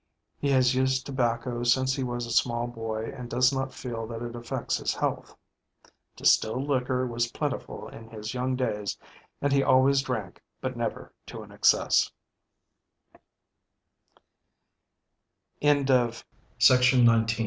He has used tobacco since he was a small boy and does not feel that it affects his health. Distilled liquor was plentiful in his young days and he always drank but never to